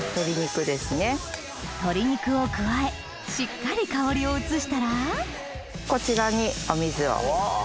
とり肉を加えしっかり香りを移したらこちらにお水を。